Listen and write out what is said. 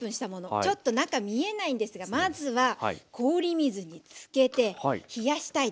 ちょっと中見えないんですがまずは氷水につけて冷やしたいです。